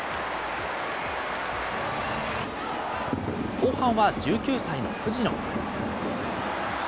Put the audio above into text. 後半は１９歳の藤野。